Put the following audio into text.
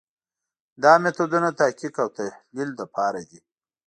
دا میتودونه د تحقیق او تحلیل لپاره دي.